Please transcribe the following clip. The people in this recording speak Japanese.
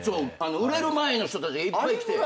売れる前の人たちがいっぱい来て。